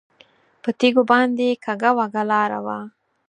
پر تیږو باندې کږه وږه لاره وه.